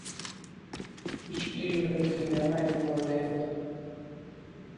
Hiç birimiziň diňleýän aýdymymyz deň däl